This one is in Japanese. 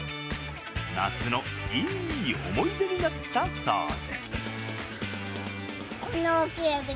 夏のいい思い出になったそうです。